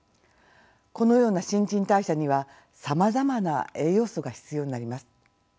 このような新陳代謝にはさまざまな栄養素が必要になります。